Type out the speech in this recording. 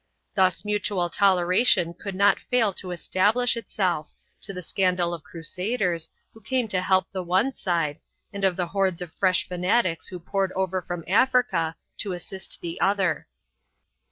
Thus mutual tol eration could not fail to establish itself, to the scandal of crusaders, who came to help the one side, and of the hordes of fresh fanatics who poured over from Africa to assist the other.